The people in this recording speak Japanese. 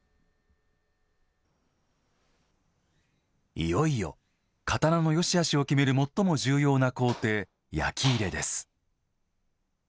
いよいよ、刀のよしあしを決める最も重要な工程、焼き入れです。